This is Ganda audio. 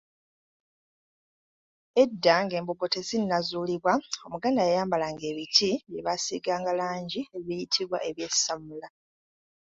Edda ng'embugo tezinnazuulibwa Omuganda yayambalanga ebiti bye baasiiganga langi ebiyitibwa ebyessamula.